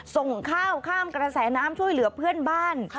ส่งข้าวข้ามกระแสน้ำช่วยเหลือเพื่อนบ้าน